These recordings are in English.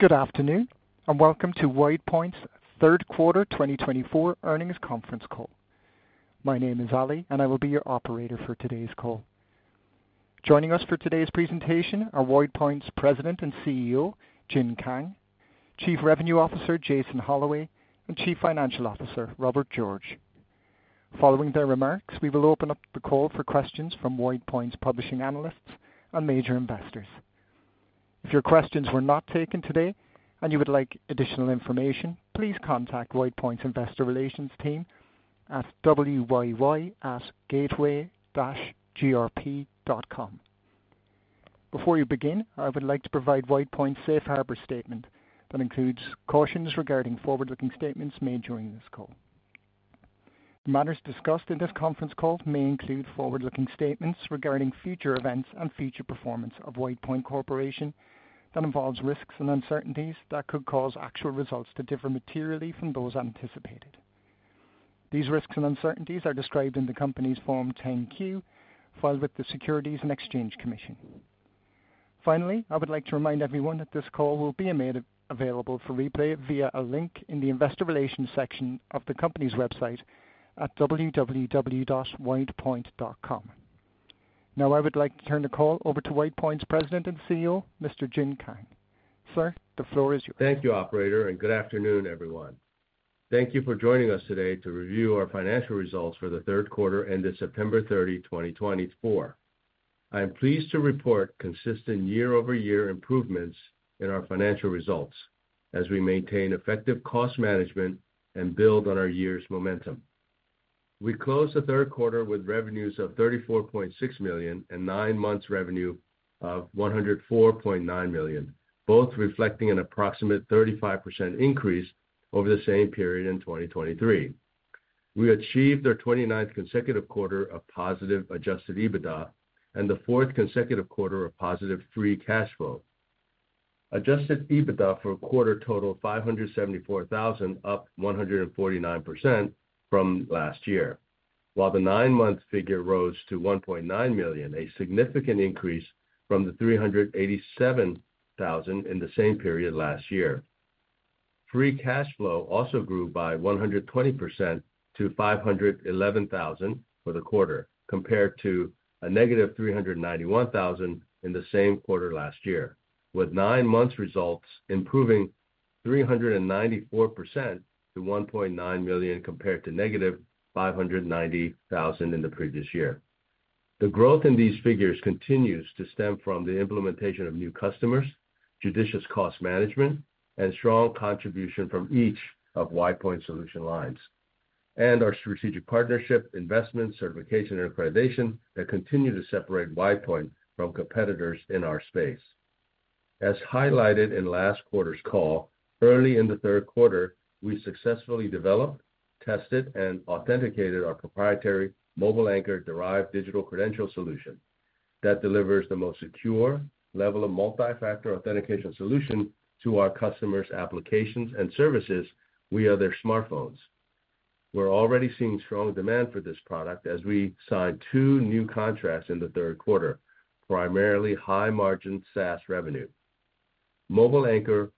Good afternoon, and welcome to WidePoint's Third Quarter 2024 Earnings Conference Call. My name is Ali, and I will be your operator for today's call. Joining us for today's presentation are WidePoint's President and CEO, Jin Kang, Chief Revenue Officer, Jason Holloway, and Chief Financial Officer, Robert George. Following their remarks, we will open up the call for questions from WidePoint's participating analysts and major investors. If your questions were not taken today and you would like additional information, please contact WidePoint's Investor Relations team at wyy@gateway-grp.com. Before you begin, I would like to provide WidePoint's safe harbor statement that includes cautions regarding forward-looking statements made during this call. The matters discussed in this conference call may include forward-looking statements regarding future events and future performance of WidePoint Corporation that involves risks and uncertainties that could cause actual results to differ materially from those anticipated. These risks and uncertainties are described in the company's Form 10-Q, filed with the Securities and Exchange Commission. Finally, I would like to remind everyone that this call will be made available for replay via a link in the Investor Relations section of the company's website at www.widepoint.com. Now, I would like to turn the call over to WidePoint's President and CEO, Mr. Jin Kang. Sir, the floor is yours. Thank you, Operator, and good afternoon, everyone. Thank you for joining us today to review our financial results for the third quarter ended September 30, 2024. I am pleased to report consistent year-over-year improvements in our financial results as we maintain effective cost management and build on our year's momentum. We closed the third quarter with revenues of $34.6 million and nine months' revenue of $104.9 million, both reflecting an approximate 35% increase over the same period in 2023. We achieved our 29th consecutive quarter of positive adjusted EBITDA and the fourth consecutive quarter of positive free cash flow. Adjusted EBITDA for a quarter totaled $574,000, up 149% from last year, while the nine-month figure rose to $1.9 million, a significant increase from the $387,000 in the same period last year. Free cash flow also grew by 120% to $511,000 for the quarter, compared to a negative $391,000 in the same quarter last year, with nine-month results improving 394% to $1.9 million compared to negative $590,000 in the previous year. The growth in these figures continues to stem from the implementation of new customers, judicious cost management, and strong contribution from each of WidePoint's solution lines, and our strategic partnership, investment, certification, and accreditation that continue to separate WidePoint from competitors in our space. As highlighted in last quarter's call, early in the third quarter, we successfully developed, tested, and authenticated our proprietary MobileAnchor derived digital credential solution that delivers the most secure level of Multifactor Authentication solution to our customers' applications and services via their smartphones. We're already seeing strong demand for this product as we signed two new contracts in the third quarter, primarily high-margin SaaS revenue. MobileAnchor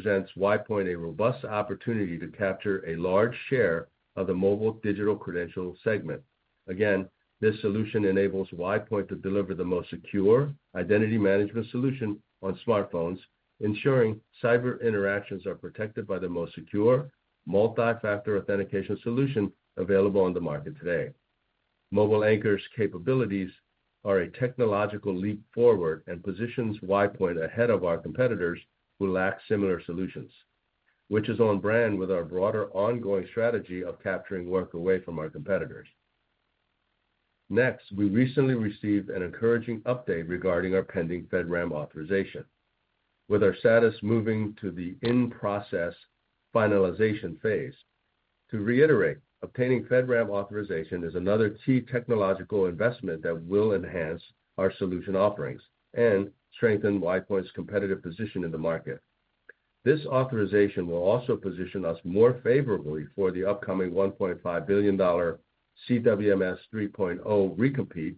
presents WidePoint a robust opportunity to capture a large share of the mobile digital credential segment. Again, this solution enables WidePoint to deliver the most secure identity management solution on smartphones, ensuring cyber interactions are protected by the most secure Multifactor Authentication solution available on the market today. MobileAnchor's capabilities are a technological leap forward and positions WidePoint ahead of our competitors who lack similar solutions, which is on brand with our broader ongoing strategy of capturing work away from our competitors. Next, we recently received an encouraging update regarding our pending FedRAMP authorization, with our status moving to the in-process finalization phase. To reiterate, obtaining FedRAMP authorization is another key technological investment that will enhance our solution offerings and strengthen WidePoint's competitive position in the market. This authorization will also position us more favorably for the upcoming $1.5 billion CWMS 3.0 recompete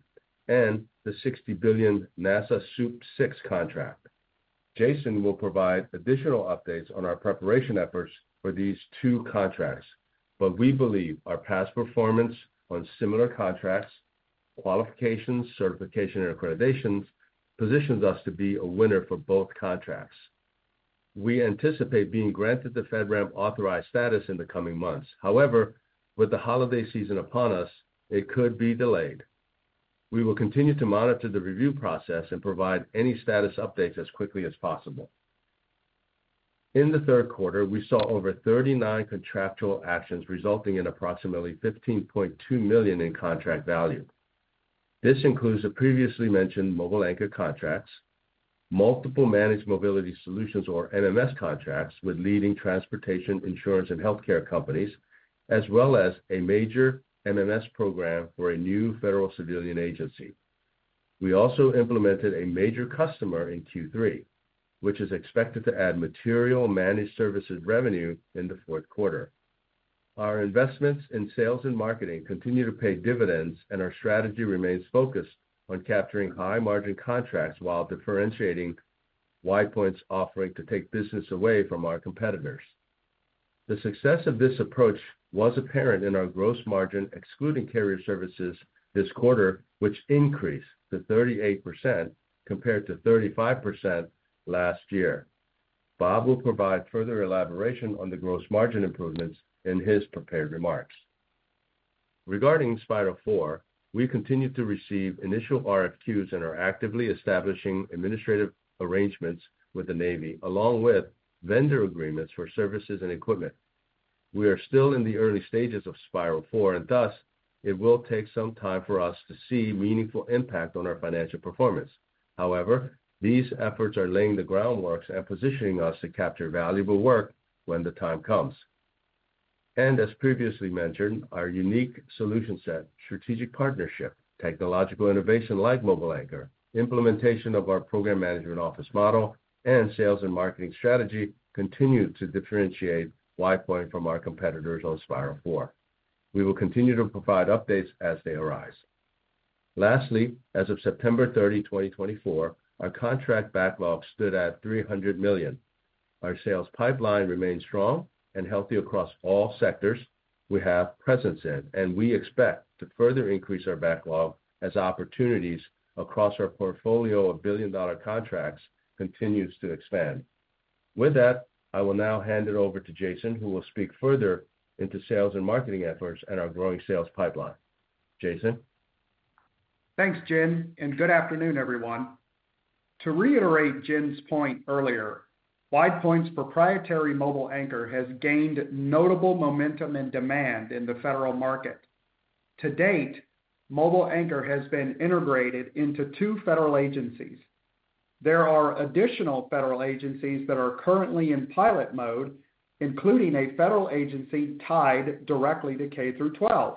and the $60 billion NASA SEWP VI contract. Jason will provide additional updates on our preparation efforts for these two contracts, but we believe our past performance on similar contracts, qualifications, certification, and accreditations positions us to be a winner for both contracts. We anticipate being granted the FedRAMP authorized status in the coming months. However, with the holiday season upon us, it could be delayed. We will continue to monitor the review process and provide any status updates as quickly as possible. In the third quarter, we saw over 39 contractual actions resulting in approximately $15.2 million in contract value. This includes the previously mentioned MobileAnchor contracts, multiple Managed Mobility Solutions, or MMS contracts with leading transportation, insurance, and healthcare companies, as well as a major MMS program for a new federal civilian agency. We also implemented a major customer in Q3, which is expected to add material managed services revenue in the fourth quarter. Our investments in sales and marketing continue to pay dividends, and our strategy remains focused on capturing high-margin contracts while differentiating WidePoint's offering to take business away from our competitors. The success of this approach was apparent in our gross margin excluding carrier services this quarter, which increased to 38% compared to 35% last year. Bob will provide further elaboration on the gross margin improvements in his prepared remarks. Regarding Spiral 4, we continue to receive initial RFQs and are actively establishing administrative arrangements with the Navy, along with vendor agreements for services and equipment. We are still in the early stages of Spiral 4, and thus it will take some time for us to see meaningful impact on our financial performance. However, these efforts are laying the groundworks and positioning us to capture valuable work when the time comes, and as previously mentioned, our unique solution set, strategic partnership, technological innovation like MobileAnchor, implementation of our program management office model, and sales and marketing strategy continue to differentiate WidePoint from our competitors on Spiral 4. We will continue to provide updates as they arise. Lastly, as of September 30, 2024, our contract backlog stood at $300 million. Our sales pipeline remains strong and healthy across all sectors we have presence in, and we expect to further increase our backlog as opportunities across our portfolio of billion-dollar contracts continue to expand. With that, I will now hand it over to Jason, who will speak further into sales and marketing efforts and our growing sales pipeline. Jason. Thanks, Jin, and good afternoon, everyone. To reiterate Jin's point earlier, WidePoint's proprietary MobileAnchor has gained notable momentum and demand in the federal market. To date, MobileAnchor has been integrated into two federal agencies. There are additional federal agencies that are currently in pilot mode, including a federal agency tied directly to K-12.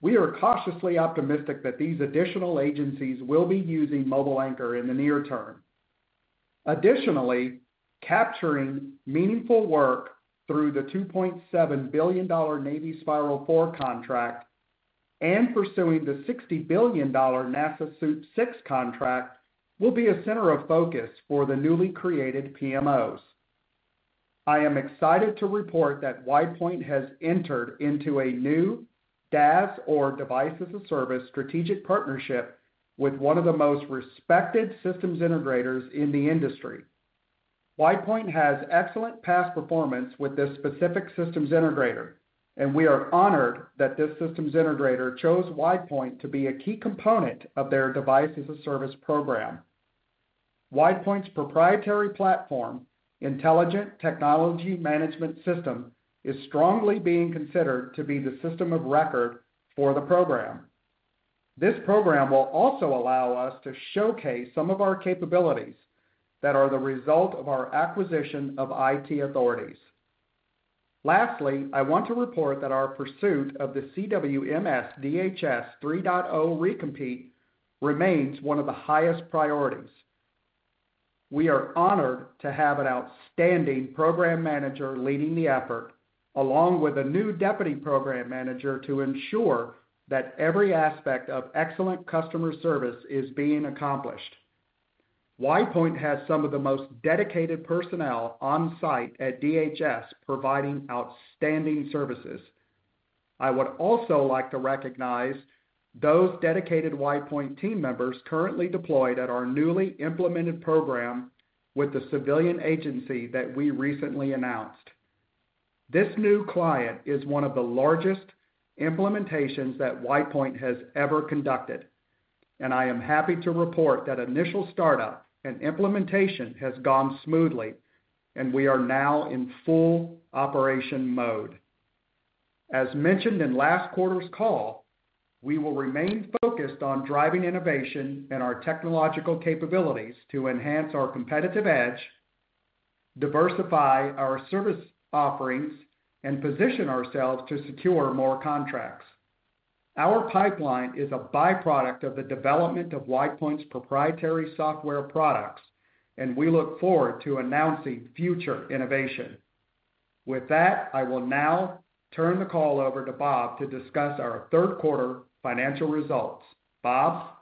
We are cautiously optimistic that these additional agencies will be using MobileAnchor in the near term. Additionally, capturing meaningful work through the $2.7 billion Navy Spiral 4 contract and pursuing the $60 billion NASA SEWP VI contract will be a center of focus for the newly created PMOs. I am excited to report that WidePoint has entered into a new DaaS, or Device as a Service, strategic partnership with one of the most respected systems integrators in the industry. WidePoint has excellent past performance with this specific systems integrator, and we are honored that this systems integrator chose WidePoint to be a key component of their Device as a Service program. WidePoint's proprietary platform, Intelligent Technology Management System, is strongly being considered to be the system of record for the program. This program will also allow us to showcase some of our capabilities that are the result of our acquisition of IT Authorities. Lastly, I want to report that our pursuit of the CWMS DHS 3.0 recompete remains one of the highest priorities. We are honored to have an outstanding program manager leading the effort, along with a new deputy program manager to ensure that every aspect of excellent customer service is being accomplished. WidePoint has some of the most dedicated personnel on site at DHS providing outstanding services. I would also like to recognize those dedicated WidePoint team members currently deployed at our newly implemented program with the civilian agency that we recently announced. This new client is one of the largest implementations that WidePoint has ever conducted, and I am happy to report that initial startup and implementation has gone smoothly, and we are now in full operation mode. As mentioned in last quarter's call, we will remain focused on driving innovation and our technological capabilities to enhance our competitive edge, diversify our service offerings, and position ourselves to secure more contracts. Our pipeline is a byproduct of the development of WidePoint's proprietary software products, and we look forward to announcing future innovation. With that, I will now turn the call over to Bob to discuss our third quarter financial results. Bob.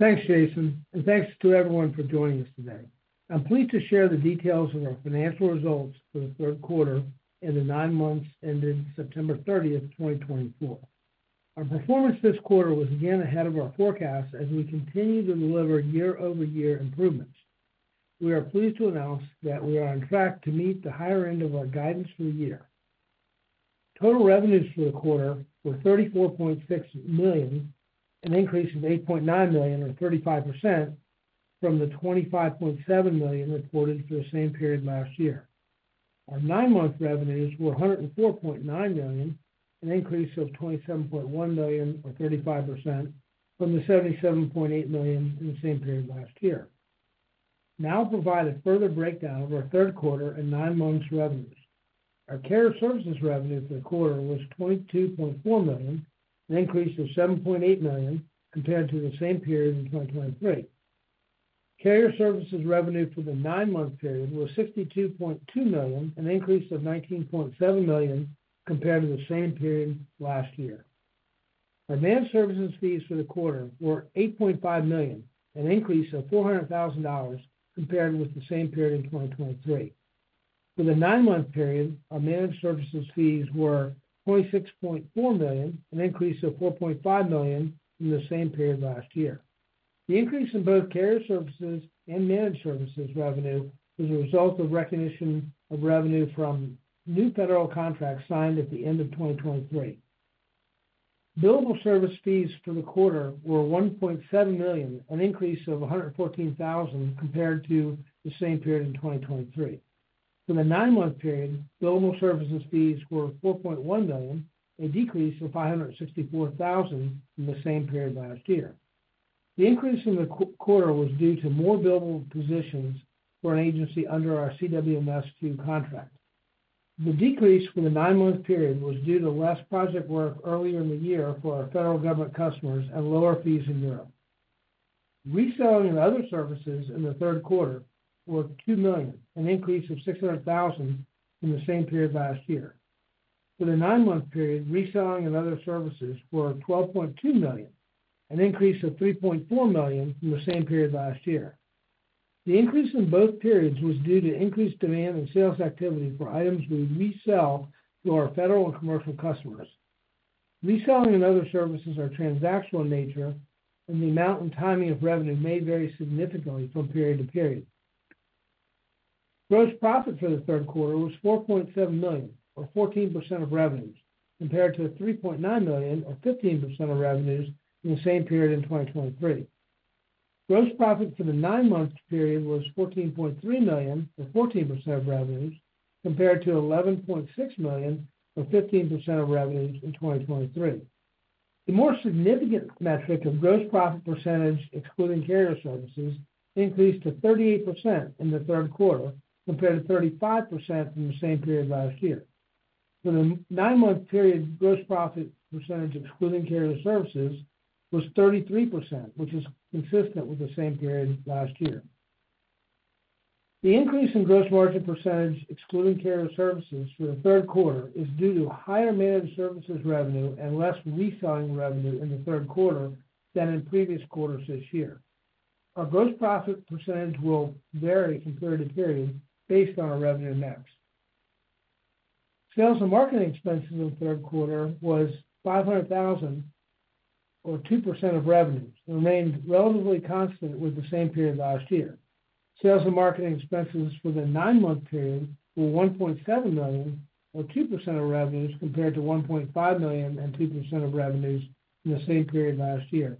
Thanks, Jason, and thanks to everyone for joining us today. I'm pleased to share the details of our financial results for the third quarter and the nine months ended September 30, 2024. Our performance this quarter was again ahead of our forecast as we continue to deliver year-over-year improvements. We are pleased to announce that we are on track to meet the higher end of our guidance for the year. Total revenues for the quarter were $34.6 million, an increase of $8.9 million, or 35%, from the $25.7 million reported for the same period last year. Our nine-month revenues were $104.9 million, an increase of $27.1 million, or 35%, from the $77.8 million in the same period last year. Now, I'll provide a further breakdown of our third quarter and nine-month revenues. Our carrier services revenue for the quarter was $22.4 million, an increase of $7.8 million compared to the same period in 2023. Carrier services revenue for the nine-month period was $62.2 million, an increase of $19.7 million compared to the same period last year. Our managed services fees for the quarter were $8.5 million, an increase of $400,000 compared with the same period in 2023. For the nine-month period, our managed services fees were $26.4 million, an increase of $4.5 million from the same period last year. The increase in both carrier services and managed services revenue was a result of recognition of revenue from new federal contracts signed at the end of 2023. Billable service fees for the quarter were $1.7 million, an increase of $114,000 compared to the same period in 2023. For the nine-month period, billable services fees were $4.1 million, a decrease of $564,000 from the same period last year. The increase in the quarter was due to more billable positions for an agency under our CWMS II contract. The decrease for the nine-month period was due to less project work earlier in the year for our federal government customers and lower fees in Europe. Reselling and other services in the third quarter were $2 million, an increase of $600,000 from the same period last year. For the nine-month period, reselling and other services were $12.2 million, an increase of $3.4 million from the same period last year. The increase in both periods was due to increased demand and sales activity for items we resell to our federal and commercial customers. Reselling and other services are transactional in nature, and the amount and timing of revenue may vary significantly from period to period. Gross profit for the third quarter was $4.7 million, or 14% of revenues, compared to $3.9 million, or 15% of revenues in the same period in 2023. Gross profit for the nine-month period was $14.3 million, or 14% of revenues, compared to $11.6 million, or 15% of revenues in 2023. The more significant metric of gross profit percentage, excluding carrier services, increased to 38% in the third quarter compared to 35% from the same period last year. For the nine-month period, gross profit percentage, excluding carrier services, was 33%, which is consistent with the same period last year. The increase in gross margin percentage, excluding carrier services, for the third quarter is due to higher managed services revenue and less reselling revenue in the third quarter than in previous quarters this year. Our gross profit percentage will vary from period to period based on our revenue next. Sales and marketing expenses in the third quarter were $500,000, or 2% of revenues, and remained relatively constant with the same period last year. Sales and marketing expenses for the nine-month period were $1.7 million, or 2% of revenues, compared to $1.5 million and 2% of revenues in the same period last year.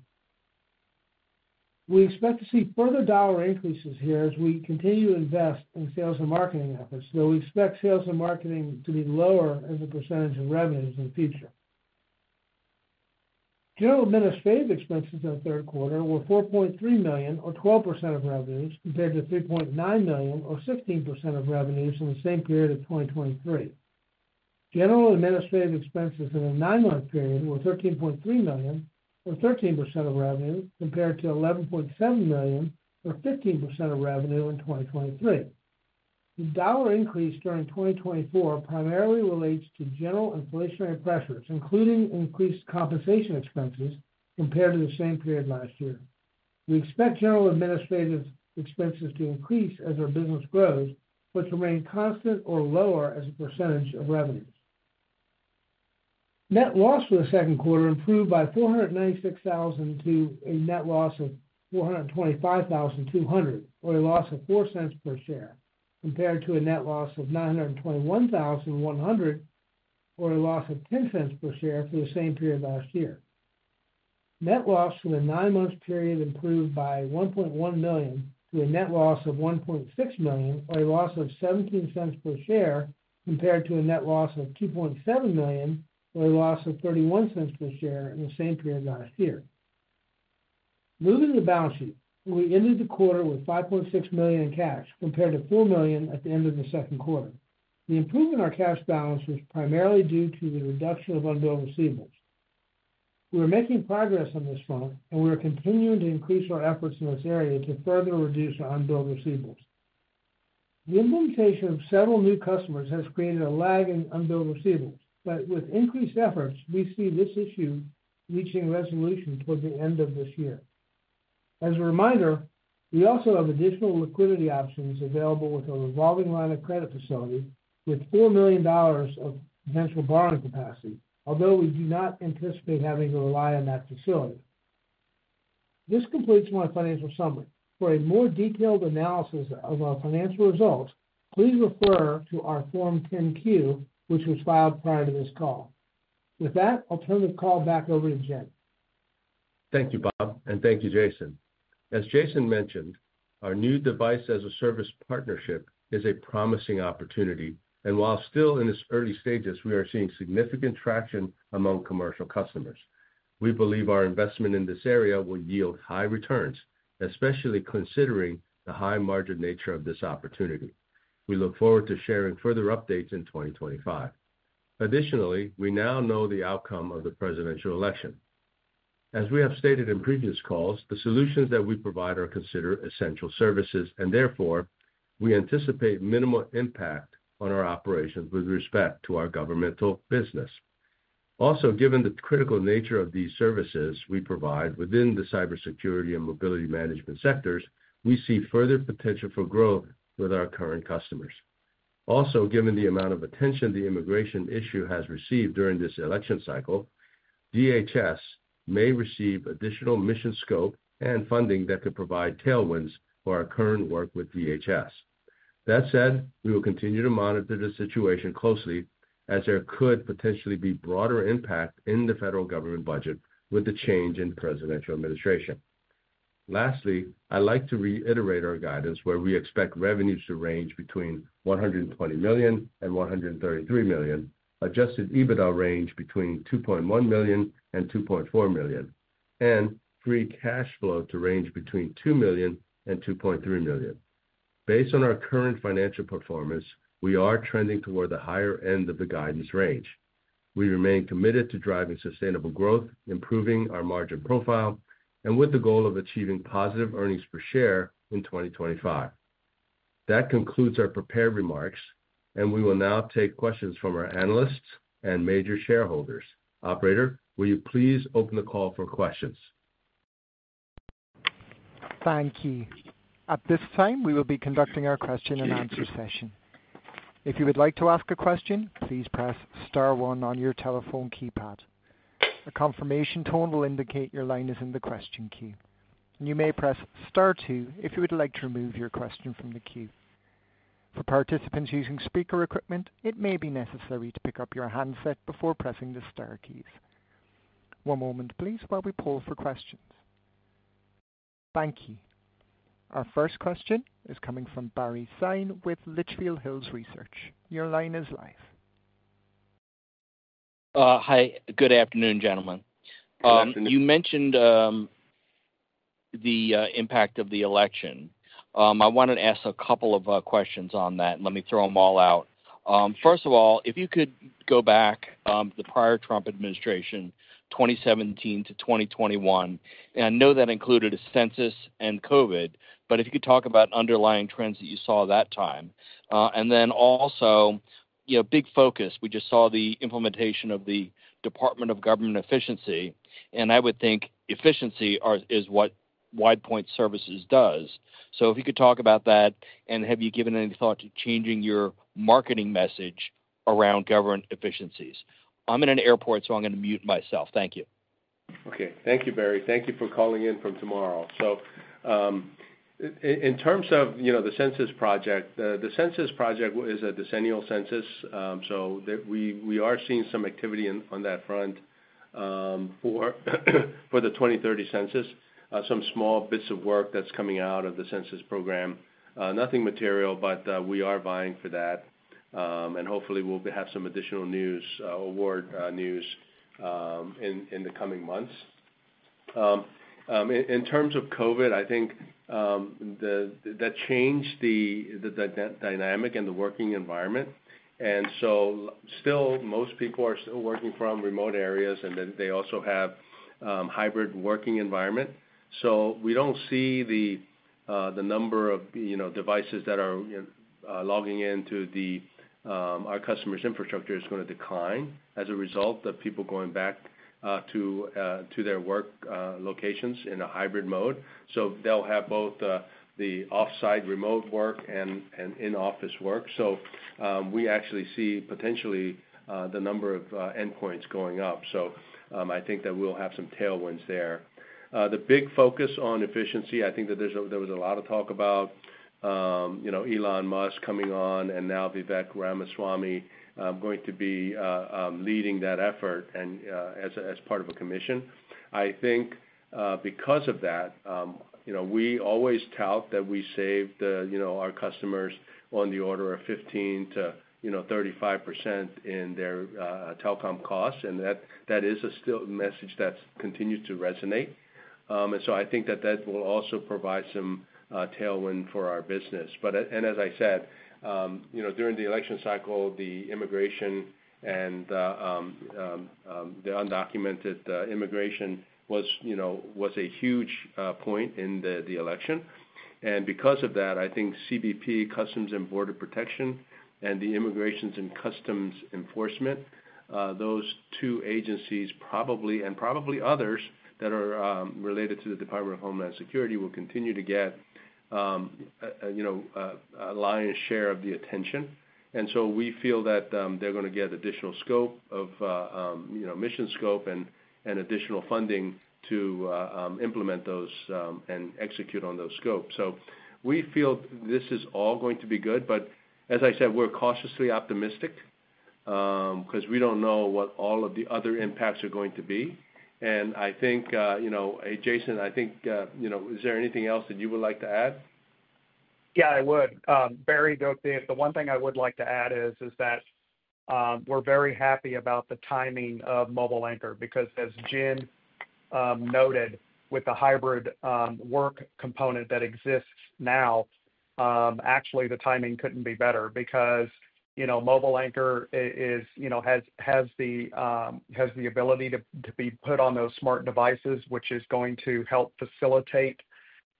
We expect to see further dollar increases here as we continue to invest in sales and marketing efforts, though we expect sales and marketing to be lower as a percentage of revenues in the future. General administrative expenses in the third quarter were $4.3 million, or 12% of revenues, compared to $3.9 million, or 16% of revenues in the same period of 2023. General administrative expenses in the nine-month period were $13.3 million, or 13% of revenues, compared to $11.7 million, or 15% of revenue in 2023. The dollar increase during 2024 primarily relates to general inflationary pressures, including increased compensation expenses compared to the same period last year. We expect general administrative expenses to increase as our business grows, but to remain constant or lower as a percentage of revenues. Net loss for the second quarter improved by $496,000 to a net loss of $425,200, or a loss of $0.04 per share, compared to a net loss of $921,100, or a loss of $0.10 per share for the same period last year. Net loss for the nine-month period improved by $1.1 million to a net loss of $1.6 million, or a loss of $0.17 per share, compared to a net loss of $2.7 million, or a loss of $0.31 per share in the same period last year. Moving to the balance sheet, we ended the quarter with $5.6 million in cash compared to $4 million at the end of the second quarter. The improvement in our cash balance was primarily due to the reduction of unbilled receivables. We are making progress on this front, and we are continuing to increase our efforts in this area to further reduce our unbilled receivables. The implementation of several new customers has created a lag in unbilled receivables, but with increased efforts, we see this issue reaching resolution toward the end of this year. As a reminder, we also have additional liquidity options available with a revolving line of credit facility with $4 million of potential borrowing capacity, although we do not anticipate having to rely on that facility. This completes my financial summary. For a more detailed analysis of our financial results, please refer to our Form 10-Q, which was filed prior to this call. With that, I'll turn the call back over to Jin. Thank you, Bob, and thank you, Jason. As Jason mentioned, our new Device as a Service partnership is a promising opportunity, and while still in its early stages, we are seeing significant traction among commercial customers. We believe our investment in this area will yield high returns, especially considering the high-margin nature of this opportunity. We look forward to sharing further updates in 2025. Additionally, we now know the outcome of the presidential election. As we have stated in previous calls, the solutions that we provide are considered essential services, and therefore, we anticipate minimal impact on our operations with respect to our governmental business. Also, given the critical nature of these services we provide within the Cybersecurity and Mobility Management sectors, we see further potential for growth with our current customers. Also, given the amount of attention the immigration issue has received during this election cycle, DHS may receive additional mission scope and funding that could provide tailwinds for our current work with DHS. That said, we will continue to monitor the situation closely as there could potentially be broader impact in the federal government budget with the change in the presidential administration. Lastly, I'd like to reiterate our guidance where we expect revenues to range between $120 million and $133 million, Adjusted EBITDA range between $2.1 million and $2.4 million, and free cash flow to range between $2 million and $2.3 million. Based on our current financial performance, we are trending toward the higher end of the guidance range. We remain committed to driving sustainable growth, improving our margin profile, and with the goal of achieving positive earnings per share in 2025. That concludes our prepared remarks, and we will now take questions from our analysts and major shareholders. Operator, will you please open the call for questions? Thank you. At this time, we will be conducting our question-and-answer session. If you would like to ask a question, please press star one on your telephone keypad. A confirmation tone will indicate your line is in the question queue. You may press star two if you would like to remove your question from the queue. For participants using speaker equipment, it may be necessary to pick up your handset before pressing the star keys. One moment, please, while we poll for questions. Thank you. Our first question is coming from Barry Sine with Litchfield Hills Research. Your line is live. Hi. Good afternoon, gentlemen. Good afternoon. You mentioned the impact of the election. I wanted to ask a couple of questions on that, and let me throw them all out. First of all, if you could go back to the prior Trump administration, 2017 to 2021, and I know that included a census and COVID, but if you could talk about underlying trends that you saw that time. And then also, big focus, we just saw the implementation of the Department of Government Efficiency, and I would think efficiency is what WidePoint does. So if you could talk about that, and have you given any thought to changing your marketing message around government efficiencies? I'm in an airport, so I'm going to mute myself. Thank you. Okay. Thank you, Barry. Thank you for calling in from tomorrow. So in terms of the census project, the census project is a decennial census, so we are seeing some activity on that front for the 2030 census, some small bits of work that's coming out of the census program, nothing material, but we are vying for that, and hopefully, we'll have some additional award news in the coming months. In terms of COVID, I think that changed the dynamic and the working environment, and so still, most people are still working from remote areas, and then they also have a hybrid working environment. So we don't see the number of devices that are logging into our customers' infrastructure is going to decline as a result of people going back to their work locations in a hybrid mode. So they'll have both the off-site remote work and in-office work. So we actually see potentially the number of endpoints going up. So I think that we'll have some tailwinds there. The big focus on efficiency, I think that there was a lot of talk about Elon Musk coming on, and now Vivek Ramaswamy going to be leading that effort as part of a commission. I think because of that, we always tout that we save our customers on the order of 15%-35% in their telecom costs, and that is still a message that continues to resonate. And so I think that that will also provide some tailwind for our business. And as I said, during the election cycle, the immigration and the undocumented immigration was a huge point in the election. And because of that, I think CBP, Customs and Border Protection, and the Immigration and Customs Enforcement, those two agencies probably, and probably others that are related to the Department of Homeland Security, will continue to get a lion's share of the attention. And so we feel that they're going to get additional scope of mission scope and additional funding to implement those and execute on those scopes. So we feel this is all going to be good, but as I said, we're cautiously optimistic because we don't know what all of the other impacts are going to be. And I think, Jason, I think, is there anything else that you would like to add? Yeah, I would. Barry, the one thing I would like to add is that we're very happy about the timing of MobileAnchor because, as Jin noted, with the hybrid work component that exists now, actually, the timing couldn't be better because MobileAnchor has the ability to be put on those smart devices, which is going to help facilitate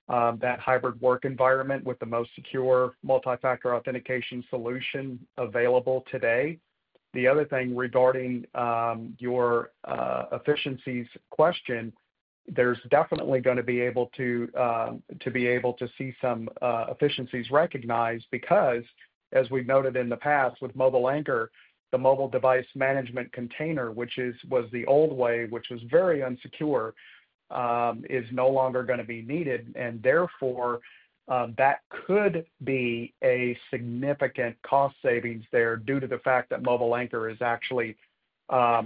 that hybrid work environment with the most secure Multifactor Authentication solution available today. The other thing regarding your efficiencies question, there's definitely going to be able to see some efficiencies recognized because, as we've noted in the past with MobileAnchor, the mobile device management container, which was the old way, which was very unsecure, is no longer going to be needed, and therefore, that could be a significant cost savings there due to the fact that MobileAnchor is actually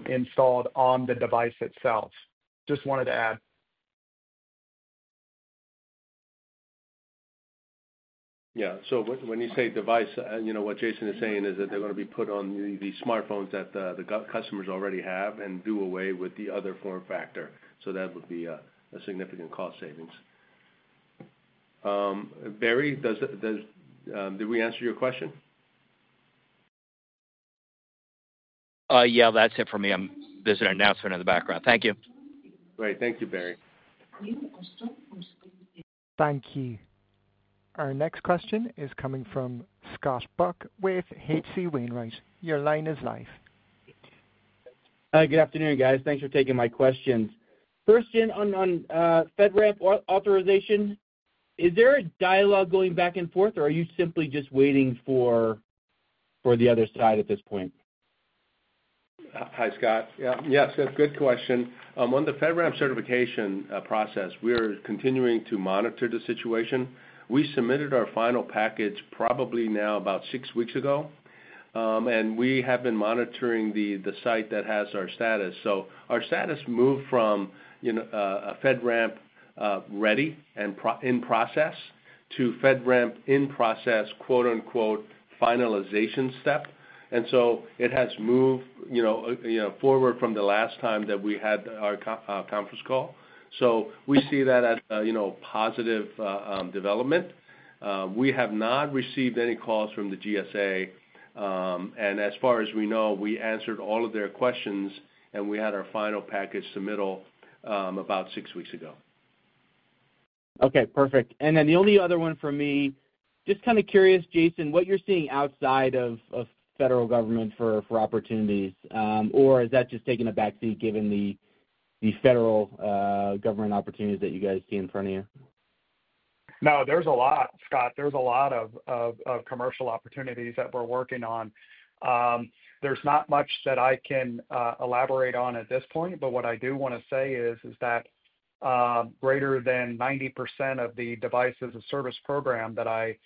installed on the device itself. Just wanted to add. Yeah. So when you say device, what Jason is saying is that they're going to be put on the smartphones that the customers already have and do away with the other form factor. So that would be a significant cost savings. Barry, did we answer your question? Yeah, that's it for me. There's an announcement in the background. Thank you. Great. Thank you, Barry. Thank you. Our next question is coming from Scott Buck with H.C. Wainwright. Your line is live. Good afternoon, guys. Thanks for taking my questions. First, Jin, on FedRAMP authorization, is there a dialogue going back and forth, or are you simply just waiting for the other side at this point? Hi, Scott. Yeah. Yeah, so good question. On the FedRAMP certification process, we are continuing to monitor the situation. We submitted our final package probably now about six weeks ago, and we have been monitoring the site that has our status. So our status moved from a FedRAMP ready and in process to FedRAMP in process, quote-unquote, finalization step. And so it has moved forward from the last time that we had our conference call. So we see that as a positive development. We have not received any calls from the GSA, and as far as we know, we answered all of their questions, and we had our final package submittal about six weeks ago. Okay. Perfect. And then the only other one for me, just kind of curious, Jason, what you're seeing outside of federal government for opportunities, or is that just taking a backseat given the federal government opportunities that you guys see in front of you? No, there's a lot, Scott. There's a lot of commercial opportunities that we're working on. There's not much that I can elaborate on at this point, but what I do want to say is that greater than 90% of the devices and service program that I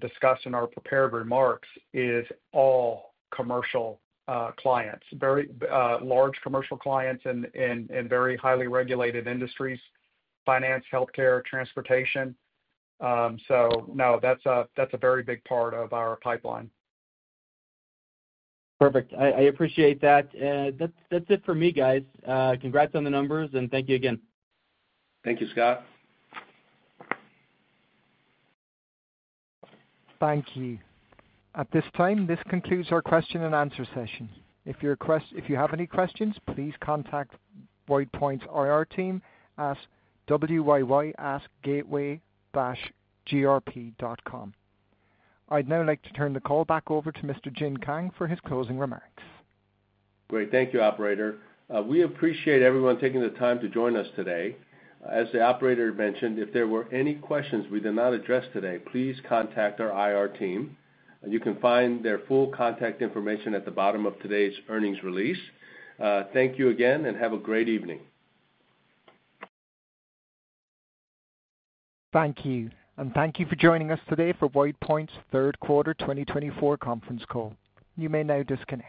discussed in our prepared remarks is all commercial clients, large commercial clients in very highly regulated industries, finance, healthcare, transportation. So no, that's a very big part of our pipeline. Perfect. I appreciate that. That's it for me, guys. Congrats on the numbers, and thank you again. Thank you, Scott. Thank you. At this time, this concludes our question-and-answer session. If you have any questions, please contact WidePoint's IR team at wyy@.gateway-grp.com. I'd now like to turn the call back over to Mr. Jin Kang for his closing remarks. Great. Thank you, Operator. We appreciate everyone taking the time to join us today. As the operator mentioned, if there were any questions we did not address today, please contact our IR team. You can find their full contact information at the bottom of today's earnings release. Thank you again, and have a great evening. Thank you. And thank you for joining us today for WidePoint's Third Quarter 2024 Conference Call. You may now disconnect.